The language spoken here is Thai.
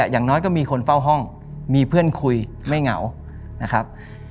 อย่างน้อยก็มีคนเฝ้าห้องมีเพื่อนคุยไม่เหงานะครับ